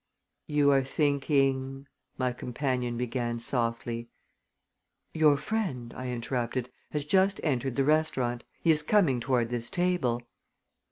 "You are thinking !" my companion began softly. "Your friend," I interrupted, "has just entered the restaurant. He is coming toward this table."